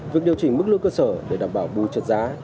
việc điều chỉnh mức lương cơ sở để đảm bảo bùi trật giá